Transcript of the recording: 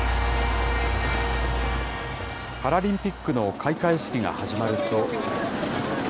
パラリンピックの開会式が始まると。